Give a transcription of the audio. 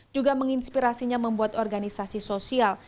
juga menginspirasinya membuat organisasi sosial